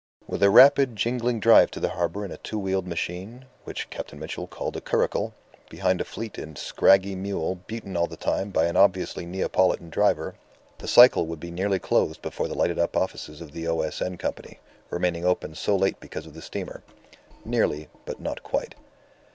With a rapid, jingling drive to the harbour in a two wheeled machine (which Captain Mitchell called a curricle) behind a fleet and scraggy mule beaten all the time by an obviously Neapolitan driver, the cycle would be nearly closed before the lighted up offices of the O. S. N. Company, remaining open so late because of the steamer. Nearly but not quite.